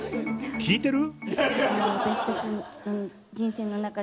聞いてる？